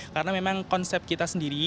karena memang konsep kita sendiri